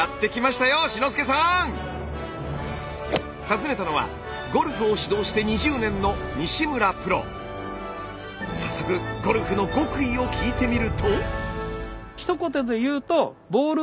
たずねたのはゴルフを指導して２０年の早速ゴルフの極意を聞いてみると。